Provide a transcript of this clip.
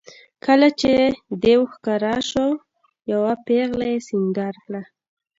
کله چې به دېو ښکاره شو یوه پېغله یې سینګار کړه.